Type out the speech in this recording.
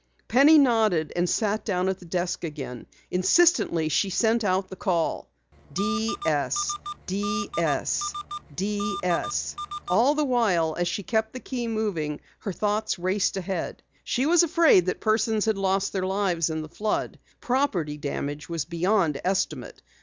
Penny nodded and sat down at the desk again. Insistently she sent out the call, "D S, D S, D S." All the while as she kept the key moving, her thoughts raced ahead. She was afraid that persons had lost their lives in the flood. Property damage was beyond estimate.